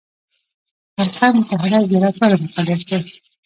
خرقه مطهره زیارت ولې مقدس دی؟